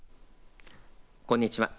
こんにちは。